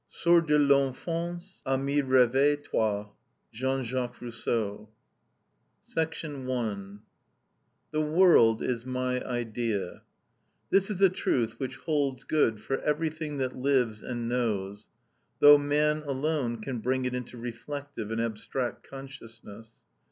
Sors de l'enfance, ami réveille toi! —Jean Jacques Rousseau. § 1. "The world is my idea:"—this is a truth which holds good for everything that lives and knows, though man alone can bring it into reflective and abstract consciousness.